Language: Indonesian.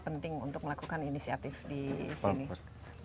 penting untuk melakukan inisiatif di sini